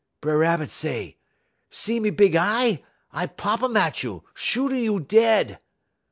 B'er Rabbit say: "'See me big y eye? I pop um at you, shoot a you dead.'